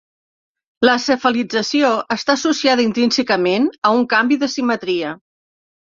La cefalització està associada intrínsecament a un canvi de simetria.